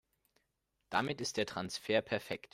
Damit ist der Transfer perfekt.